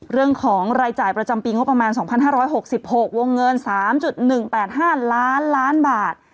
เรื่องของรายจ่ายประจำปีงบประมาณ๒๕๖๖วงเงิน๓๑๘๕ล้านล้านบาท